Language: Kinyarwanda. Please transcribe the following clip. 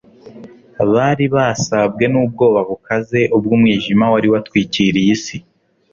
Bari basabwe n'ubwoba bukaze ubwo umwijima wari watwikiriye isi,